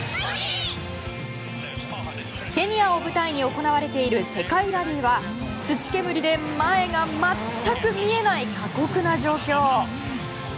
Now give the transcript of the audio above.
ケニアを舞台に行われている世界ラリーは土煙で前が全く見えない過酷な状況。